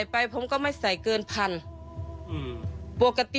แม่จะมาเรียกร้องอะไร